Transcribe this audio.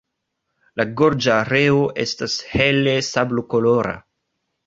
La gorĝareo estas hele sablokolora.